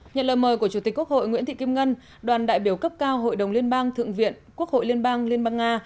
nhận lời mời của chủ tịch quốc hội nguyễn thị kim ngân đoàn đại biểu cấp cao hội đồng liên bang thượng viện quốc hội liên bang liên bang nga